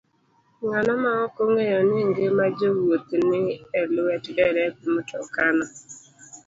Ng'ano maok ong'eyo ni ngima jowuoth ni e lwet derep mtokano?